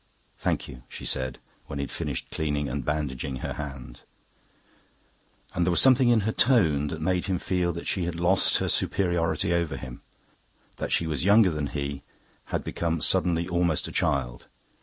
"Thank you," she said, when he had finished cleaning and bandaging her hand; and there was something in her tone that made him feel that she had lost her superiority over him, that she was younger than he, had become, suddenly, almost a child.